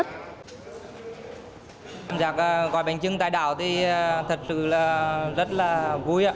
tham giác gói bánh trưng tại đảo thì thật sự là rất là vui ạ